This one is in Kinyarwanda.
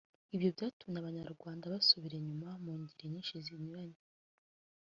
Ibyo byatumye Abanyarwanda basubira inyuma mu ngeri nyinshi zinyuranye